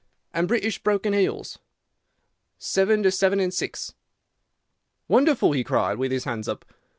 "'And British Broken Hills?' "'Seven to seven and six.' "'Wonderful!' he cried, with his hands up.